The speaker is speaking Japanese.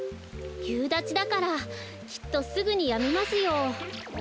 ゆうだちだからきっとすぐにやみますよ。